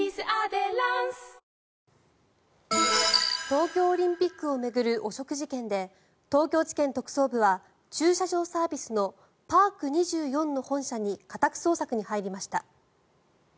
東京オリンピックを巡る汚職事件で東京地検特捜部は駐車場サービスのパーク２４の本社に家宅捜索に入りました。